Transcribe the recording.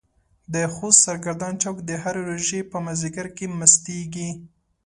د خوست سرګردان چوک د هرې روژې په مازديګر کې مستيږي.